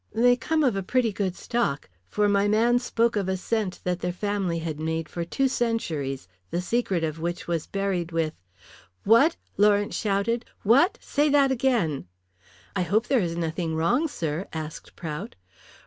They come of a pretty good stock, for my man spoke of a scent that their family had made for two centuries, the secret of which was buried with " "What!" Lawrence shouted. "What! Say that again." "I hope there is nothing wrong, sir," asked Prout.